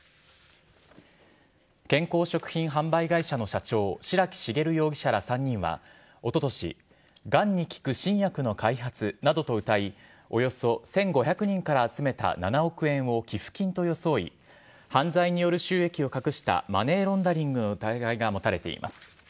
健康食品販売会社の社長、白木茂容疑者ら３人はおととし、がんに効く新薬の開発などとうたい、およそ１５００人から集めた７億円を寄付金と装い、犯罪による収益を隠したマネーロンダリングの疑いが持たれています。